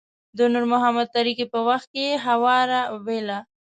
د نور محمد تره کي په وخت کې يې هورا ویله.